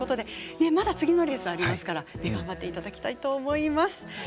まだ次のレースありますから頑張っていただきたいと思います。